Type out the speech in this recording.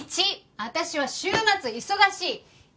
１私は週末忙しい。